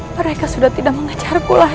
mereka sudah tidak mengejar ku lagi